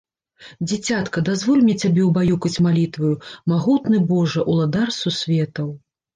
Дзіцятка, дазволь мне цябе ўбаюкаць малітваю: "Магутны Божа, Уладар Сусветаў..."